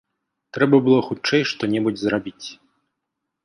Трэба было хутчэй што-небудзь зрабіць.